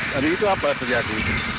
dari itu apa terjadi